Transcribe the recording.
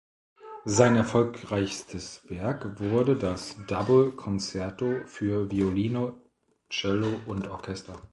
Sein erfolgreichstes Werk wurde das "Double Concerto" für Violine, Cello und Orchester.